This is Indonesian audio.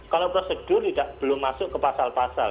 kalau prosedur belum masuk ke pasal pasal